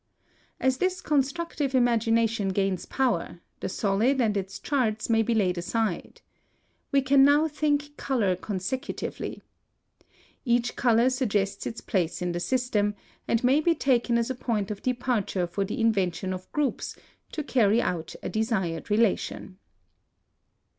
(172) As this constructive imagination gains power, the solid and its charts may be laid aside. We can now think color consecutively. Each color suggests its place in the system, and may be taken as a point of departure for the invention of groups to carry out a desired relation.